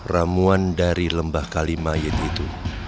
ramuan dari lembah kalimah yaitu